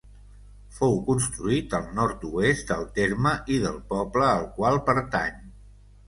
Fou construït al nord-oest del terme i del poble al qual pertany.